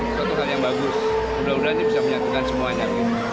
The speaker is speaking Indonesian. sesuatu yang bagus mudah mudahan bisa menyatukan semuanya